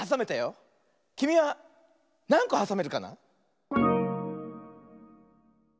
きみはなんこはさめるかな？